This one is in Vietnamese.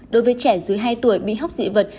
đối với trẻ dưới hai tuổi bị hốc dị vật